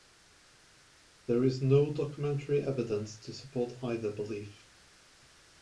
There is no documentary evidence to support either belief.